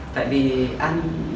tại vì anh